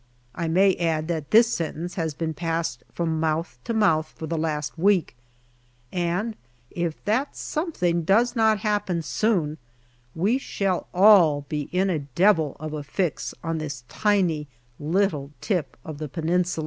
I may add that this sentence has been passed from mouth to mouth for the last week, and if that something does not happen soon we shall all be in a devil of a fix on this tiny little tip of the Peninsula.